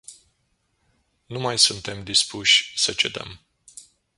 Nu mai suntem dispuși să cedăm.